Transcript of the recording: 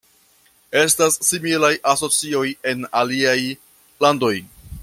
Estas similaj asocioj en aliaj landoj.